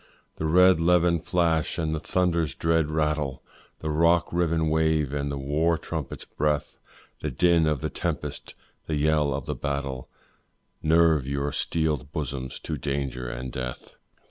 The red levin flash and the thunder's dread rattle, The rock riven wave and the war trumpet's breath, The din of the tempest, the yell of the battle, Nerve your steeled bosoms to danger and death.